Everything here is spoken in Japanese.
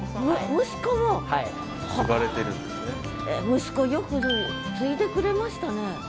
息子よく継いでくれましたね。